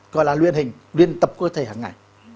gọi là luyện hình luyện tập cơ thể hằng ngày